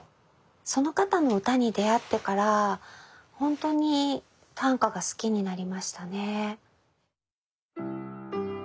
その方の歌に出会ってからほんとに短歌が好きになりましたね。